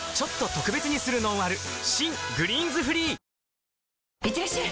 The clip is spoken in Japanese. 新「グリーンズフリー」いってらっしゃい！